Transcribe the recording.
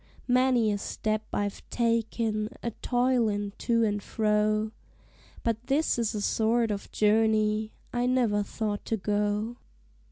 Many a step I've taken a toilin' to and fro, But this is a sort of journey I never thought to go.